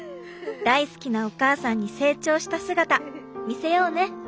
大好きなお母さんに成長した姿見せようね！